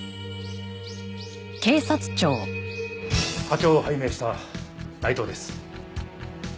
課長を拝命した内藤です。